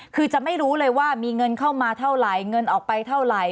คือจะไม่รู้เลยว่ามีเงินเข้ามาเท่าไหร่เงินออกไปเท่าไหร่